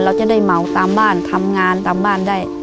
เราจะได้เหมาตามบ้านทำงานตามบ้านได้